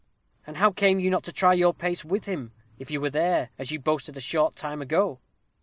"And how came you not to try your pace with him, if you were there, as you boasted a short time ago?"